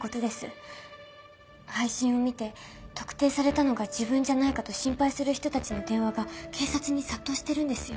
配信を見て特定されたのが自分じゃないかと心配する人たちの電話が警察に殺到しているんですよ。